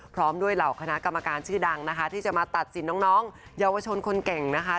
พร้อมด้วยเหล่าคณะกรรมการชื่อดังนะคะที่จะมาตัดสินน้องเยาวชนคนเก่งนะคะ